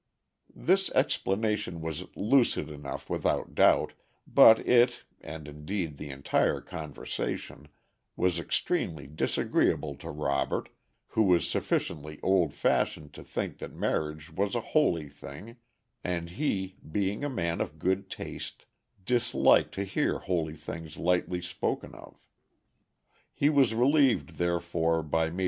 This explanation was lucid enough without doubt, but it, and indeed the entire conversation, was extremely disagreeable to Robert, who was sufficiently old fashioned to think that marriage was a holy thing, and he, being a man of good taste, disliked to hear holy things lightly spoken of. He was relieved, therefore, by Maj.